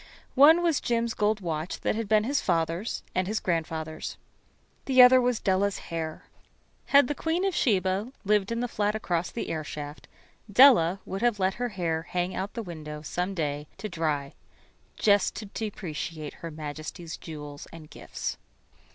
One was Jim's gold watch that had been his father's and his grandfather's. The other was Della's hair. Had the Queen of Sheba[13 1] lived in the flat across the airshaft, Della would have let her hair hang out the window some day to dry just to depreciate Her Majesty's jewels and gifts.